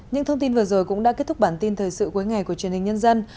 những thông tin vừa rồi cũng đã kết thúc bản tin thời sự cuối ngày của truyền hình nhân dân